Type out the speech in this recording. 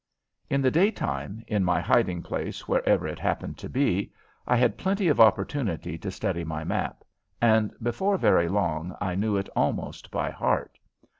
In the daytime, in my hiding place, wherever it happened to be, I had plenty of opportunity to study my map, and before very long I knew it almost by heart.